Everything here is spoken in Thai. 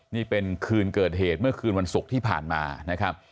นี่เป็นคืนเกิดเหตุเมื่อคืนวันศุกร์ที่ผ่านมานะครับ